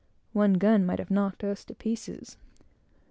One gun might have knocked us to pieces.